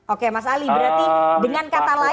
oke mas ali berarti dengan kata lain